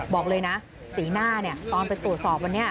บอกเลยนะสีหน้าตอนไปตรวจสอบวันนี้